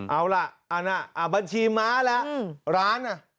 เอาล่ะอันนั้นบัญชีม้าแล้วร้านน่ะ